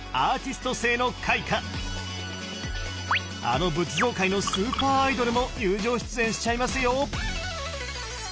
あの仏像界のスーパーアイドルも友情出演しちゃいますよ！